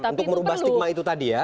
untuk merubah stigma itu tadi ya